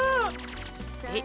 えっ？